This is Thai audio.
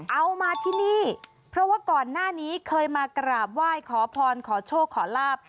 เอามาที่นี่เพราะว่าก่อนหน้านี้เคยมากราบไหว้ขอพรขอโชคขอลาบ